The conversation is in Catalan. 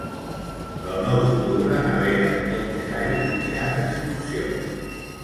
El nou d'octubre na Vera i en Gerai aniran d'excursió.